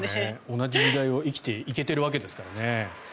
同じ時代を生きていけてるわけですからね。